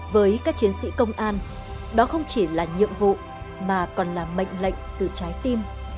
với các chiến sĩ công an đó không chỉ là nhiệm vụ mà còn là mệnh lệnh từ trái tim